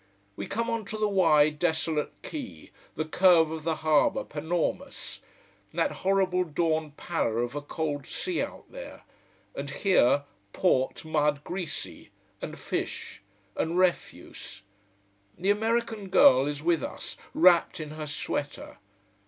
We come on to the wide, desolate quay, the curve of the harbour Panormus. That horrible dawn pallor of a cold sea out there. And here, port mud, greasy: and fish: and refuse. The American girl is with us, wrapped in her sweater.